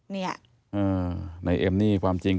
นายเอ็มนี่ความจริง